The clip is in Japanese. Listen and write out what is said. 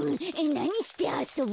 なにしてあそぶ？